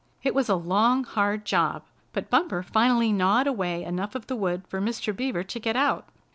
It was a long, hard job, but Bumper finally gnawed away enough of the wood for Mr. Beaver to get out.